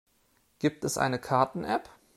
Gibt es eine Karten-App?